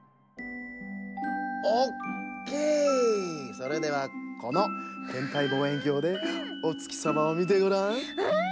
それではこのてんたいぼうえんきょうでおつきさまをみてごらん。